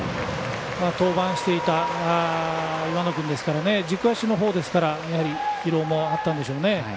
登板していた岩野君ですからね軸足のほうですから疲労もあったんでしょうね。